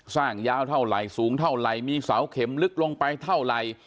ยาวเท่าไหร่สูงเท่าไหร่มีเสาเข็มลึกลงไปเท่าไหร่